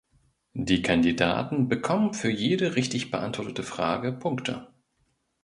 Die Kandidaten bekommen für jede richtig beantwortete Frage Punkte.